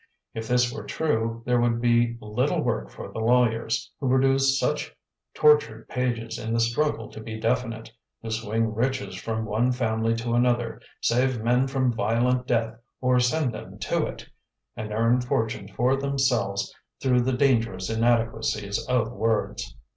If this were true, there would be little work for the lawyers, who produce such tortured pages in the struggle to be definite, who swing riches from one family to another, save men from violent death or send them to it, and earn fortunes for themselves through the dangerous inadequacies of words.